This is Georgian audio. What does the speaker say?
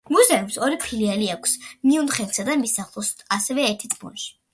მუზეუმს ორი ფილიალი აქვს მიუნხენსა და მის ახლოს და ასევე ერთიც ბონში.